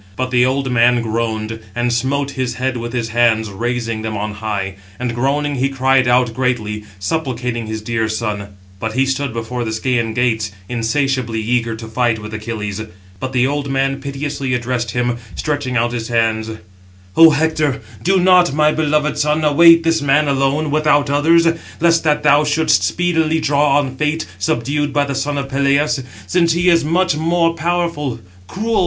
But the old man groaned, and smote his head with his hands, raising them on high, 696 and, groaning, he cried out greatly, supplicating his dear son. But he stood before the Scæan gates, insatiably eager to fight with Achilles; but the old man piteously addressed him, stretching out his hands: Footnote 696: (return) On this gesture of grief, see Gorius, Monum. Columb. p. 12. "O Hector, do not, my beloved son, await this man alone, without others; lest that thou shouldst speedily draw on fate, subdued by the son of Peleus; since he is much more powerful. Cruel!